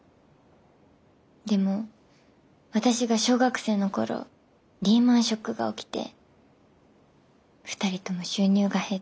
でも私が小学生の頃リーマンショックが起きて二人とも収入が減ってけんかが絶えなくなって。